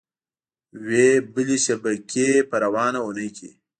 وې بلې شبکې په روانه اونۍ کې